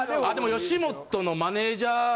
あでも吉本のマネジャー。